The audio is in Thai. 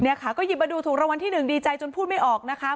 แฮค่าก็หยิบประดูกถูกรวรรณที่๑ดีใจจนพูดไม่ออกนะคะ